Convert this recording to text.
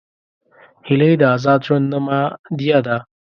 هیلۍ د آزاد ژوند نمادیه ده